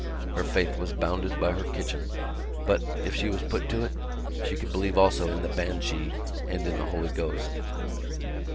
Her faith was bounded by her kitchen but, if she was put to it, she could believe also in the banshee and in the Holy Ghost.